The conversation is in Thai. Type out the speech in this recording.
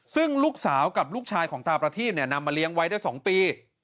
ซึ่งลูกสาวกับลูกชายของตาประทีพนำมาเลี้ยงไว้ได้๒ปี